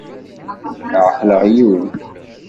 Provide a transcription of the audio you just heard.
Ɛeqleɣ yiwen.